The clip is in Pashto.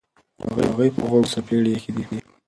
هغوی په غوږونو څپېړې ایښي دي.